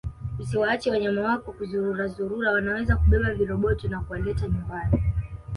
Usiwaache wanyama wako kuzururazurura wanaweza kubeba viroboto na kuwaleta nyumbani